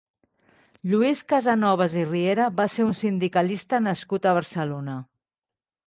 Lluís Casanovas i Riera va ser un sindicalista nascut a Barcelona.